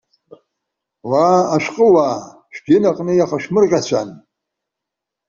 Уа ашәҟәыуаа! Шәдин аҟны иахышәмырҟьацәан.